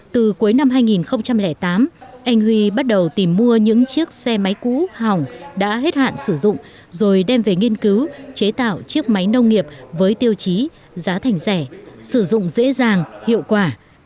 từ cuối năm hai nghìn tám anh huy bắt đầu tìm mua những chiếc xe máy cũ hỏng đã hết hạn sử dụng rồi đem về nghiên cứu chế tạo chiếc máy nông nghiệp với tiêu chí giá thành rẻ sử dụng dễ dàng hiệu quả